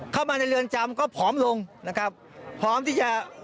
เข้ามาในเรือนจำก็ผอมลงผอมที่จะ